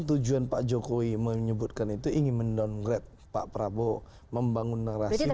kan tujuan pak jokowi menyebutkan itu ingin mendongret pak prabowo membangun narasi dan